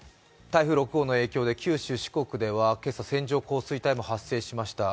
台風６号の影響で九州、四国では今朝線状降水帯も発生しました。